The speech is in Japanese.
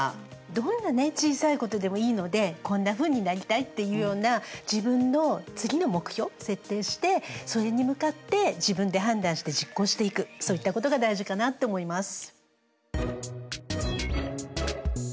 どんなね小さいことでもいいのでこんなふうになりたいっていうような自分の次の目標を設定してそれに向かって自分で判断して実行していくそういったことが大事かなって思います。